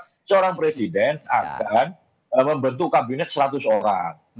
seorang presiden akan membentuk kabinet seratus orang